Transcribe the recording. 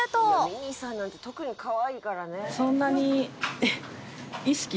「『ｍｉｎｉ』さんなんて特にかわいいからね」